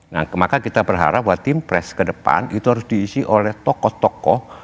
nah maka kita berharap bahwa tim pres ke depan itu harus diisi oleh tokoh tokoh